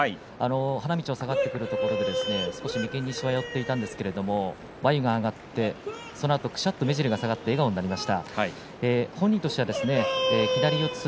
花道を下がってきたところで眉間に、しわが寄っていたんですけれども眉が上がってそのあとくしゃっと目尻が下がって笑顔になりました。